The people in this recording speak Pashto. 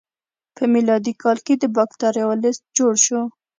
په میلادي کال کې د بکتریاوو لست جوړ شو.